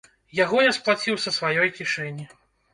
Яго я сплаціў са сваёй кішэні.